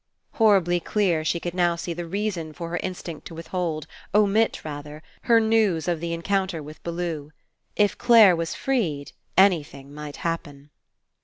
Horribly clear, she could now see the reason for her instinct to withhold — omit, rather — her news of the encounter with Bellew. If Clare was freed, anything might happen.